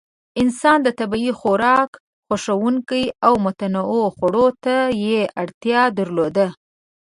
انسان طبیعي خوراک خوښونکی و او متنوع خوړو ته یې اړتیا درلوده.